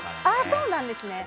そうなんですね。